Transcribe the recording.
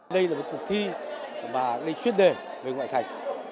đây là một cuộc thi mà đây chuyên đề về ngoại thành